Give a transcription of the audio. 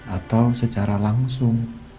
atau secara langsung